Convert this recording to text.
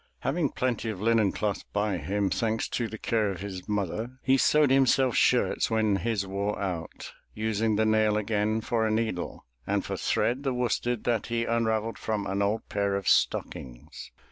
Having a plenty of linen cloth by him, thanks to the care of his mother, he sewed himself shirts when his wore out, using the nail again for a needle, and for thread the worsted that he unravelled from an old pair of stockings.